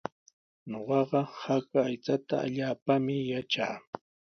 Ñuqaqa haka aychata allaapaami yatraa.